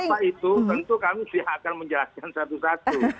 karena itu tentu kami akan menjelaskan satu satu